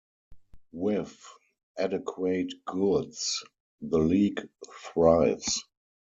With adequate goods, the league thrives.